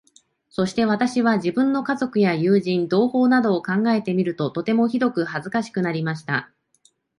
そして私は、自分の家族や友人、同胞などを考えてみると、とてもひどく恥かしくなりました。